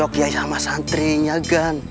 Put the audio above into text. dia sama santrinya gan